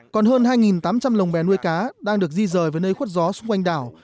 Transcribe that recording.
còn hơn hai tám trăm linh lồng bè nuôi cá đang được di rời với nơi khuất gió xung quanh đảo